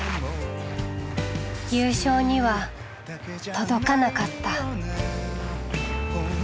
優勝には届かなかった。